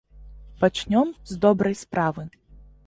Пачнём з добрай справы.